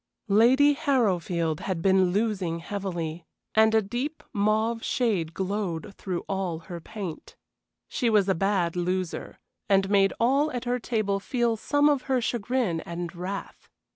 Lady Harrowfield had been losing heavily, and a deep mauve shade glowed through all her paint. She was a bad loser, and made all at her table feel some of her chagrin and wrath.